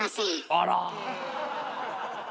あら。